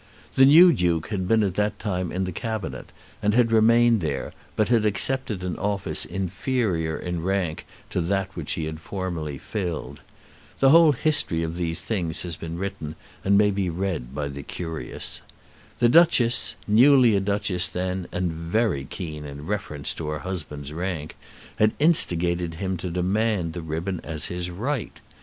The new Duke had been at that time in the Cabinet, and had remained there, but had accepted an office inferior in rank to that which he had formerly filled. The whole history of these things has been written, and may be read by the curious. The Duchess, newly a duchess then and very keen in reference to her husband's rank, had instigated him to demand the ribbon as his right.